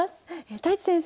太地先生